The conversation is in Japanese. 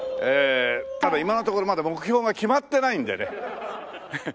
ただ今のところまだ目標が決まってないんだよね。